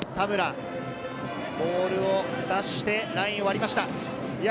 ボールを出してラインを割りました。